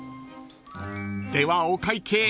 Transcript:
ではお会計］